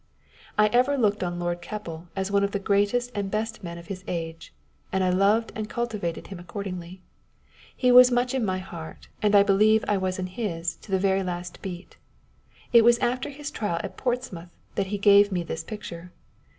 " I ever looked on Lord Keppel as one of the greatest and best men of his age ; and I loved and cultivated him accordingly. He was much in my heart, and I believe I was in his to the very last beat. It was after his trial at Porstmouth that he gave me this picture.